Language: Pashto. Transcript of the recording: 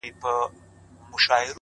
لمن كي مي د سپينو ملغلرو كور ودان دى،